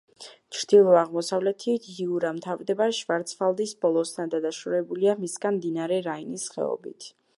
ჩრდილო-აღმოსავლეთით იურა მთავრდება შვარცვალდის ბოლოსთან და დაშორებულია მისგან მდინარე რაინის ხეობით.